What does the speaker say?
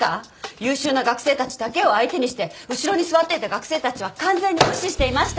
優秀な学生たちだけを相手にして後ろに座っていた学生たちは完全に無視していましたよね？